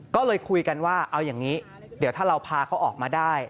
ก็เลยคุยกันว่าเอาอย่างนี้เดี๋ยวถ้าเราพาเขาออกมาได้